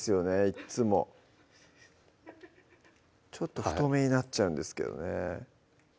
いっつもちょっと太めになっちゃうんですけどね